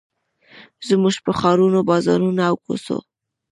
زموږ پر ښارونو، بازارونو، او کوڅو